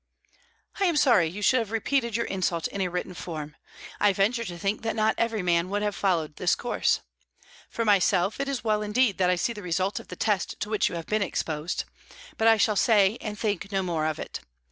"I am sorry you should have repeated your insult in a written form; I venture to think that not every man would have followed this course. For myself, it is well indeed that I see the result of the test to which you have been exposed. But I shall say and think no more of it.